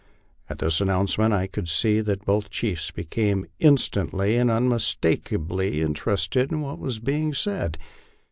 At this announcement I could see that both chiefs became instantly and unmistakably interested in what was being said.